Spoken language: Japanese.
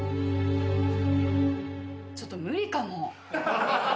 ちょっと無理かも。